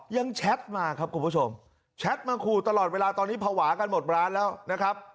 แชทมาครับคุณผู้ชมแชทมาขู่ตลอดเวลาตอนนี้ภาวะกันหมดร้านแล้วนะครับ